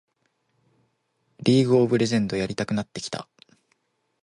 リーグ・オブ・レジェンドやりたくなってきた